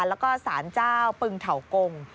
แล้วก็สารเจ้าปึงเถากง